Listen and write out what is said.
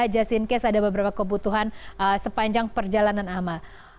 just in case ada beberapa kebutuhan sepanjang perjalanan amal